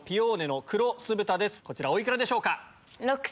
こちらお幾らでしょうか？